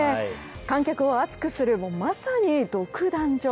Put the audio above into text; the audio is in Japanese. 観客を熱くする、まさに独壇場。